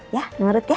ya menurut ya